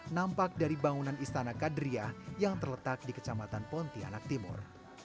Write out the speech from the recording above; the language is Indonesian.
nampak dari bangunan istana kadriah yang terletak di kecamatan pontianak timur